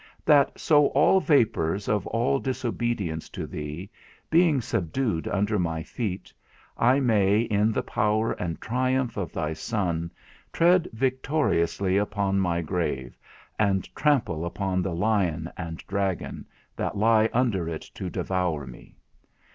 That so all vapours of all disobedience to thee, being subdued under my feet, I may, in the power and triumph of thy Son, tread victoriously upon my grave, and trample upon the lion and dragon that lie under it to devour me.